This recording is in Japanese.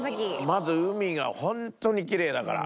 まず海がホントにきれいだから。